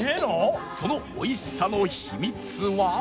その美味しさの秘密は